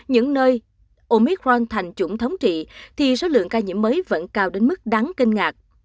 những nơi omicron thành chủng thống trị thì số lượng ca nhiễm mới vẫn cao đến mức đáng kinh ngạc